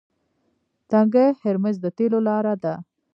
تنګی هرمز د تیلو لاره ده.